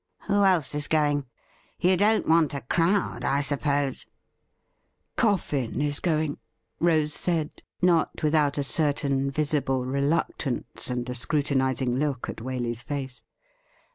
Who else is going ? You don't want a crowd, I suppose ?'' Coffin is going,' Rose said, not without a certain visible reluctance and a scrutinizing look at Waley's face.